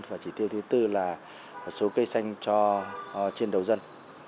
và chỉ tiêu thứ tư là số cây xanh cho chiến đấu dân